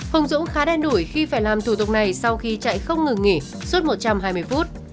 ông dũng khá đen đủ khi phải làm thủ tục này sau khi chạy không ngừng nghỉ suốt một trăm hai mươi phút